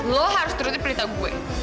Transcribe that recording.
lo harus turutin perintah gue